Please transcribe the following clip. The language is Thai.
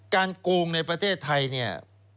โกงในประเทศไทยเนี่ย